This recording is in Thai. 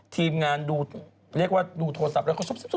ทีมงานดูเรียกว่าดูโทรศัพท์แล้วก็ซุบ